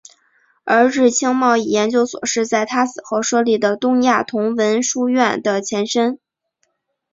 而日清贸易研究所是在他死后设立的东亚同文书院的前身。